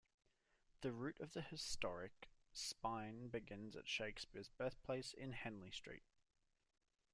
The route of the Historic Spine begins at Shakespeare's Birthplace in Henley Street.